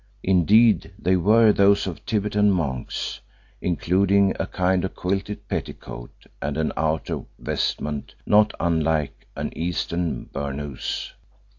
Indeed, they were those of Thibetan monks, including a kind of quilted petticoat and an outer vestment not unlike an Eastern burnous.